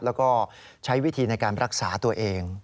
แล้วก็ใช้วิธีในการรักษาตัวเอง